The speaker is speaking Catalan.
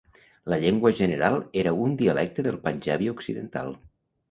La llengua general era un dialecte del panjabi occidental.